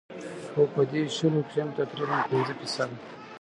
خو پۀ دې شلو کښې هم تقريباً پنځه فيصده